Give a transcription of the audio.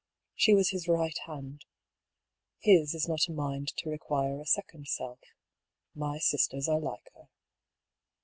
She was his right hand. His is not a mind to require a second self. My sisters are like her."